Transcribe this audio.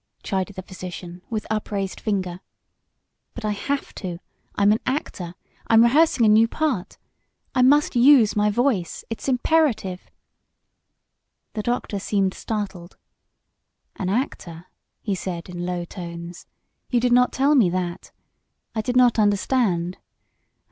chided the physician, with upraised finger. "But I have to! I'm an actor I'm rehearsing a new part. I must use my voice! It's imperative!" The doctor seemed startled. "An actor," he said in low tones. "You did not tell me that. I did not understand